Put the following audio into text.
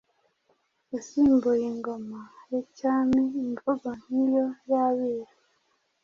yasimbuye Ingoma ya Cyami ,imvugo nk’iyo y “Abiru “